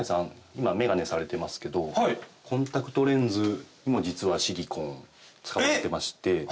今眼鏡されてますけどコンタクトレンズも実はシリコーン使ってまして。